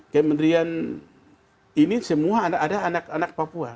kementerian ini semua ada anak anak papua